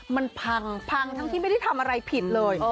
มันพังพังทั้งที่ไม่ได้ทำอะไรผิดเลย